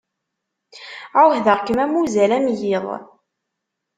Ɛuhdeɣ-kem am uzal am yiḍ.